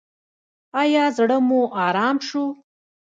ایا زړه مو ارام شو؟